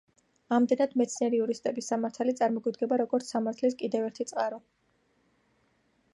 ამდენად მეცნიერ იურისტების სამართალი წარმოგვიდგება, როგორც სამართლის კიდევ ერთი წყარო.